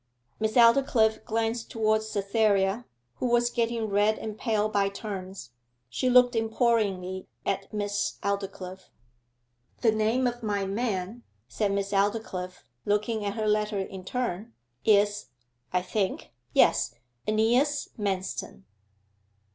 Miss Aldclyffe glanced towards Cytherea, who was getting red and pale by turns. She looked imploringly at Miss Aldclyffe. 'The name of my man,' said Miss Aldclyffe, looking at her letter in turn; 'is, I think yes AEneas Manston.